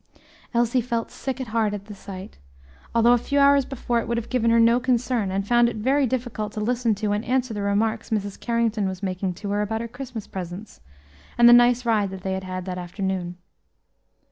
Elsie felt sick at heart at the sight although a few hours before it would have given her no concern and found it very difficult to listen to and answer the remarks Mrs. Carrington was making to her about her Christmas presents, and the nice ride they had had that afternoon.